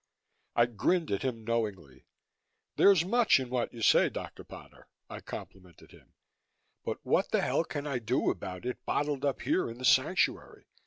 I grinned at him knowingly. "There's much in what you say, Dr. Potter," I complimented him, "but what the hell can I do about it bottled up here in the Sanctuary?